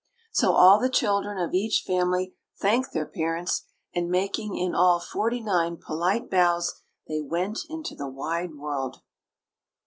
So all the children of each family thanked their parents, and, making in all forty nine polite bows, they went into the wide world.